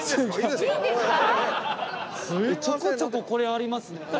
ちょこちょここれありますね